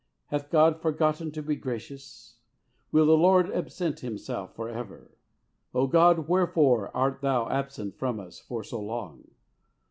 Hath God forgotten to be gracious? Will the Lord absent Himself for ever? O God, wherefore art Thou absent from us for so long?